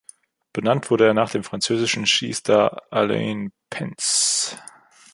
Benannt wurde er nach dem französischen Skistar Alain Penz.